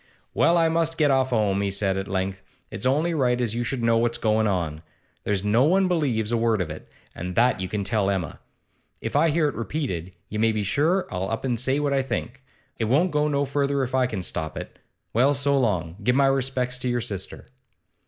'Well, I must get off 'ome,' he said at length. 'It's only right as you should know what's goin' on. There's no one believes a word of it, and that you can tell Emma. If I hear it repeated, you may be sure I'll up an' say what I think. It won't go no further if I can stop it. Well, so long! Give my respects to your sister.